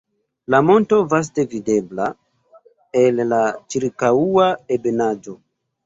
La monto vaste videbla el la ĉirkaŭa ebenaĵo.